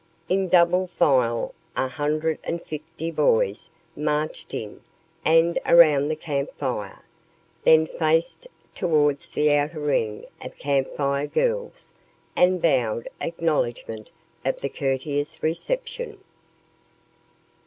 In double file a hundred and fifty boys marched in and around the campfire; then faced toward the outer ring of Camp Fire Girls and bowed acknowledgment of the courteous reception.